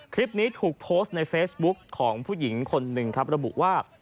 คลิปนี้ถูกโพสต์ในเฟซบุ๊คของผู้หญิงคนหนึ่งครับระบุว่า